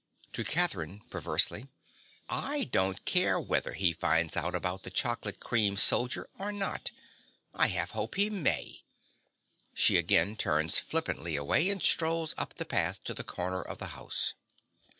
(To Catherine perversely.) I don't care whether he finds out about the chocolate cream soldier or not. I half hope he may. (_She again turns flippantly away and strolls up the path to the corner of the house.